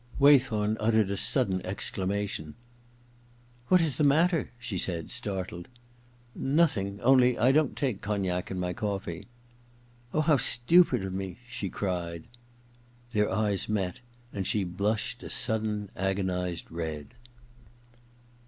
Waythorn uttered a sudden exclamation. * What is the matter ?* she said, startled. * Nothing ; only — I don't take cognac in my cofiee. * Oh, how stupid of me,' she cried. Their eyes met, and she blushed a sudden agonized red.